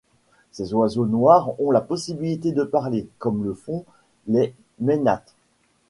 Ces oiseaux noirs ont la possibilité de parler, comme le font les mainates.